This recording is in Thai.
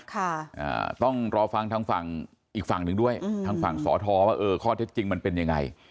อ่าต้องรอฟังทางฝั่งอีกฝั่งหนึ่งด้วยอืมทางฝั่งสอทอว่าเออข้อเท็จจริงมันเป็นยังไง